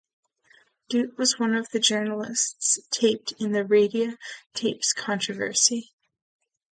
Dutt was one of the journalists taped in the Radia tapes controversy.